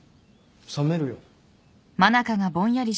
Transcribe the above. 冷めるよ。